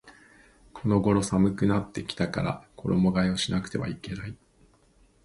この頃寒くなってきたから衣替えをしなくてはいけない